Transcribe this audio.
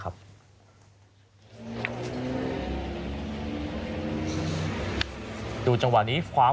นี่ค่ะกำลังจับเขามาดูกระยานก่อน